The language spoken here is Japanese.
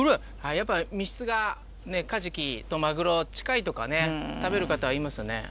やっぱ身質がね、カジキとマグロ、近いところはね、食べる方は言いますよね。